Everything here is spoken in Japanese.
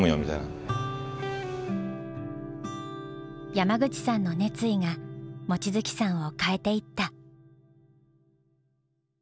山口さんの熱意が望月さんを変えていった。